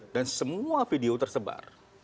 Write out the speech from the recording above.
dan semua video tersebar